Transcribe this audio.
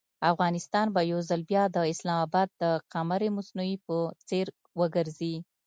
افغانستان به یو ځل بیا د اسلام اباد د قمر مصنوعي په څېر وګرځي.